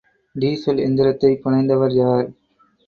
Diesel எந்திரத்தைப் புனைந்தவர் யார்?